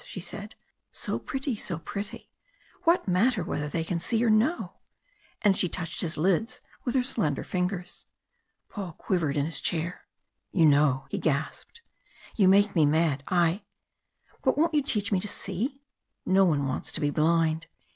she said. "So pretty, so pretty! What matter whether they can see or no?" And she touched his lids with her slender fingers. Paul quivered in his chair. "You know!" he gasped. "You make me mad I But won't you teach me to see? No one wants to be blind!